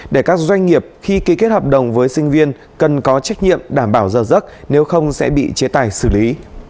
để các doanh nghiệp khi ký kết hợp đồng với sinh viên cần có trách nhiệm đảm bảo giờ giấc nếu không sẽ bị chế tài xử lý